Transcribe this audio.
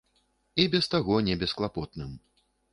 І без таго небесклапотным.